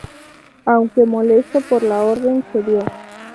Aunque molesto por la orden, cedió.